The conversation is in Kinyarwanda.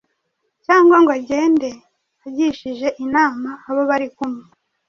cyangwa ngo agende agishije inama abo bari kumwe